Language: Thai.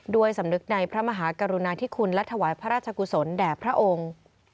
สำนึกในพระมหากรุณาธิคุณและถวายพระราชกุศลแด่พระองค์